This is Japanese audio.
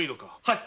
はい。